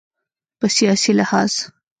په سیاسي لحاظ